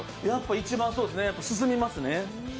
一番進みますね。